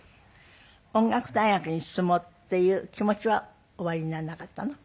音楽大学に進もうっていう気持ちはおありにならなかったの？